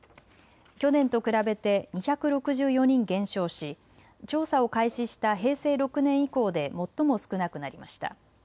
去年と比べて２６４人減少し調査を開始した平成６年以降で最も少なくなりました。